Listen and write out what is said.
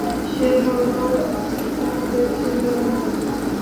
সে বলল, আমি অমুকের ছেলে অমুক।